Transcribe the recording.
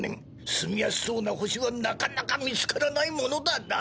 住みやすそうな星はなかなか見つからないものだな。